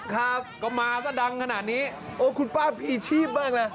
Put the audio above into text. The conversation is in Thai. ครับก็มาซะดังขนาดนี้โอ้คุณป้าพีชีบเบิ่งแล้ว